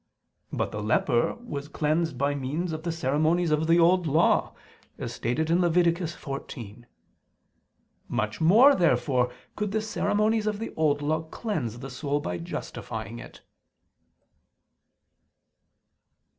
But the leper was cleansed by means of the ceremonies of the Old Law, as stated in Lev. 14. Much more therefore could the ceremonies of the Old Law cleanse the soul by justifying it.